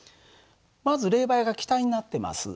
まず冷媒が気体になってます。